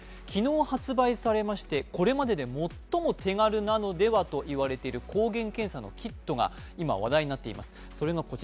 昨日発売されまして、これまでで最も手軽なのではと言われている抗原検査のキットが今、話題になっています。